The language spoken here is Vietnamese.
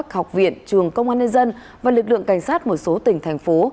học viện trường công an nhân dân và lực lượng cảnh sát một số tỉnh thành phố